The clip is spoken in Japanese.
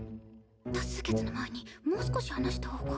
多数決の前にもう少し話したほうが。